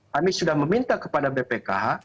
kami sudah meminta kepada bpkh